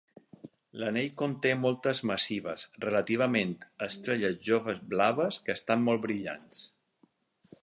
L'anell conté moltes massives, relativament estrelles joves blaves, que estan molt brillants.